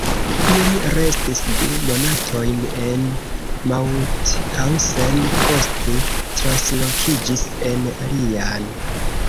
Ili restis du monatojn en Mauthausen, poste translokiĝis en alian.